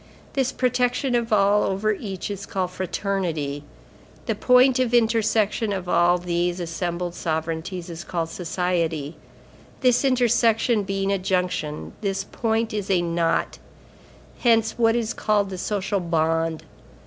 This protection of all over each is called Fraternity. The point of intersection of all these assembled sovereignties is called society. This intersection being a junction, this point is a knot. Hence what is called the social bond.